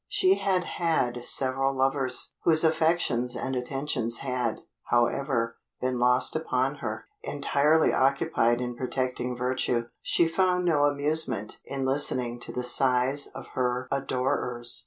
She had had several lovers, whose affections and attentions had, however, been lost upon her. Entirely occupied in protecting virtue, she found no amusement in listening to the sighs of her adorers.